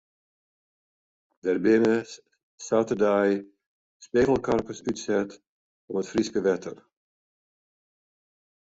Der binne saterdei spegelkarpers útset yn it Fryske wetter.